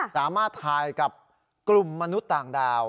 สามารถถ่ายกับกลุ่มมนุษย์ต่างดาว